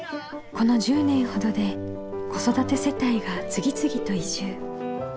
この１０年ほどで子育て世帯が次々と移住。